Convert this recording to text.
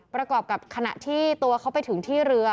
ประกอบกับขณะที่ตัวเขาไปถึงที่เรือ